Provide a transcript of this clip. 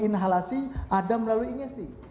inhalasi ada melalui ingesti